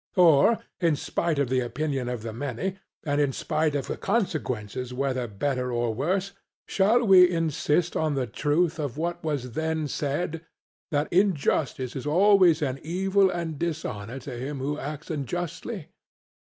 Or, in spite of the opinion of the many, and in spite of consequences whether better or worse, shall we insist on the truth of what was then said, that injustice is always an evil and dishonour to him who acts unjustly?